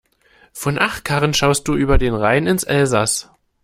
Von Achkarren schaust du über den Rhein ins Elsass.